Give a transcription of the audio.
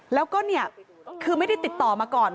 แล้วก็เนี่ยคือไม่ได้ติดต่อมาก่อน